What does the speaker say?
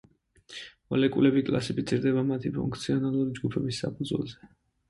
მოლეკულები კლასიფიცირდება მათი ფუნქციონალური ჯგუფების საფუძველზე.